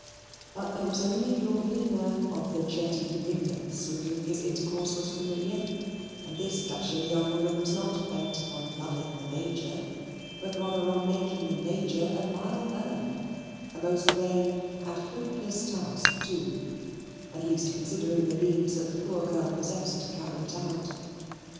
But there was only Glorvina of the jetty ringlets with whom his intercourse was familiar, and this dashing young woman was not bent upon loving the Major, but rather on making the Major admire HER a most vain and hopeless task, too, at least considering the means that the poor girl possessed to carry it out.